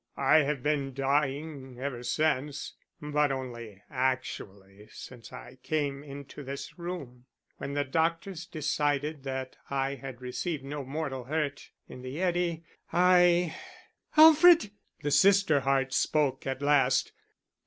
I have been dying ever since, but only actually since I came into this room. When the doctors decided that I had received no mortal hurt in the eddy, I " "Alfred!" The sister heart spoke at last.